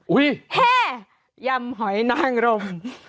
อุ๊ยแฮ่ยำหอยนางลม